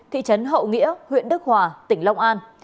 thị trấn hậu nghĩa huyện đức hòa tỉnh long an